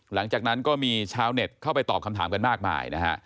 หลังจากนั้นก็มีชาวเน็ตเข้าไปตอบคำถามกันมากมายนะฮะ